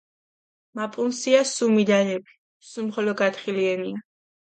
მა პუნსია სუმი დალეფი, სუმხოლო გათხილიენია.